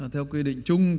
theo quy định chung